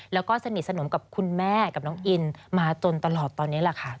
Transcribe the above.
แล้วก็สนิทสนมกับคุณแม่กับน้องอินมาจนตลอดตอนนี้แหละค่ะ